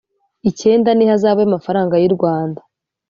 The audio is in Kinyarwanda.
Icyenda n ihazabu y amafaranga y u rwanda